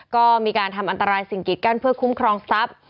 ก็มีการทำอันตรายสิ่งกีดกั้นเพื่อคุ้มครองทรัพย์